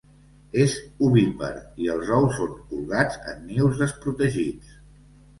És ovípar i els ous són colgats en nius desprotegits.